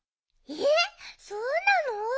えっそうなの！？